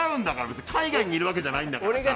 別に海外にいるわけじゃないんだからさ。